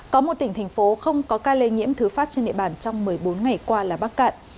có một tỉnh thành phố không có ca lây nhiễm thứ phát trên địa bàn trong một mươi bốn ngày qua là bắc cạn